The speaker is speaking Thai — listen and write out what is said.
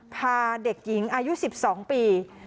พาเด็กหญิงอายุ๑๒ปี